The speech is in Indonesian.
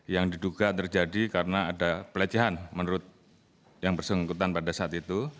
yang diduga terjadi karena ada pelecehan menurut yang bersangkutan pada saat itu